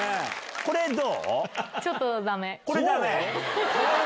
これどう？